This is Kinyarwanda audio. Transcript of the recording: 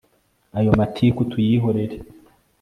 ayo matiku tuyihorere